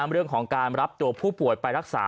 เรื่องของการรับตัวผู้ป่วยไปรักษา